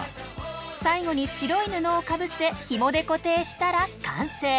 最後に白い布をかぶせひもで固定したら完成。